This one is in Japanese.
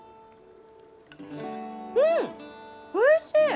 うんおいしい！